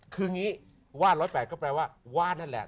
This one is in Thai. คืองี้ว่าน๑๐๘ก็แปลว่าว่านั่นแหละ